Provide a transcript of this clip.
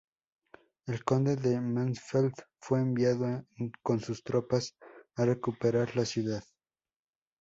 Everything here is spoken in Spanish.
El conde de Mansfeld fue enviado con sus tropas a recuperar la ciudad.